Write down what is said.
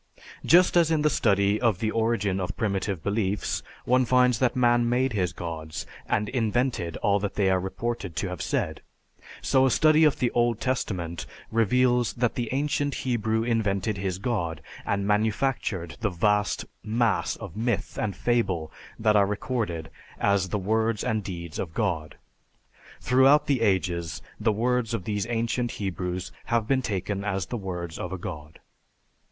Just as in the study of the origin of primitive beliefs, one finds that man made his gods and invented all that they are reported to have said, so a study of the Old Testament reveals that the ancient Hebrew invented his God, and manufactured the vast mass of myth and fable that are recorded as the words and deeds of God. Throughout the ages, the words of these ancient Hebrews have been taken as the words of a god.